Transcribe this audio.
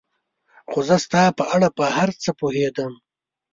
خو زه ستا په اړه په هر څه پوهېدم.